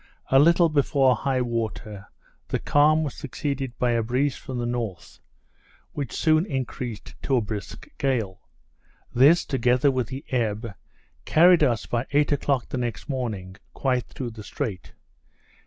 A little before high water, the calm was succeeded by a breeze from the north, which soon increased to a brisk gale. This, together with the ebb, carried us by eight o'clock the next morning quite through the strait.